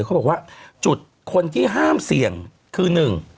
เขาบอกว่าจุดคนที่ห้ามเสี่ยงคือหนึ่ง